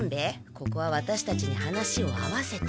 ここはワタシたちに話を合わせて。